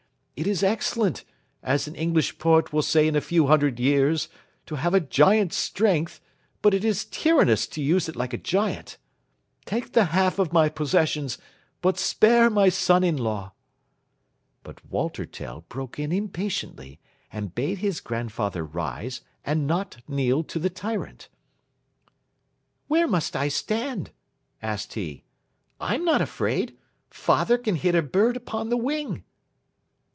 It is excellent, as an English poet will say in a few hundred years, to have a giant's strength, but it is tyrannous to use it like a giant. Take the half of my possessions, but spare my son in law." But Walter Tell broke in impatiently, and bade his grandfather rise, and not kneel to the tyrant. "Where must I stand?" asked he. "I'm not afraid. Father can hit a bird upon the wing."